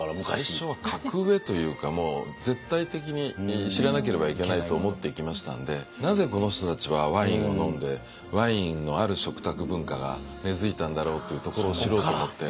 最初は格上というかもう絶対的に知らなければいけないと思って行きましたんでなぜこの人たちはワインを飲んでワインのある食卓文化が根づいたんだろうっていうところを知ろうと思って。